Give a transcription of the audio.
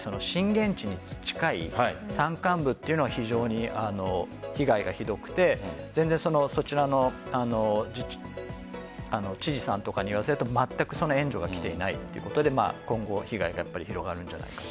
ただ、ＶＴＲにもあったように震源地に近い山間部というのは非常に被害がひどくてそちらの知事さんに言わせるとまったく援助がきていないということで今後、被害が広がるんじゃないかと。